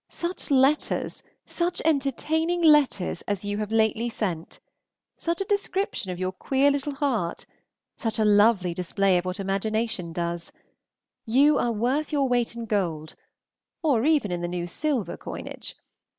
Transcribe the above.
Such letters, such entertaining letters, as you have lately sent! such a description of your queer little heart! such a lovely display of what imagination does! You are worth your weight in gold, or even in the new silver coinage.